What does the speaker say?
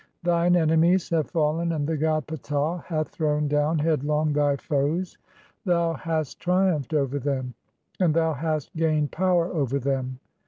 Thine enemies have fallen and "the god Ptah hath thrown down headlong (10) thy foes; thou "hast triumphed over them and thou hast gained power over "them.